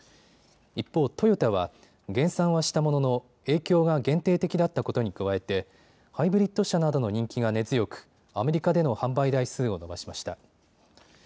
一方、トヨタは減産はしたものの影響が限定的だったことに加えてハイブリッド車などの人気が根強く、アメリカでの販売台数を伸ばしました。